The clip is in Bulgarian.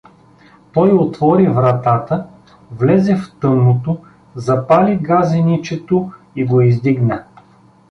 Той отвори вратата, влезе в тъмното, запали газеничето и го издигна.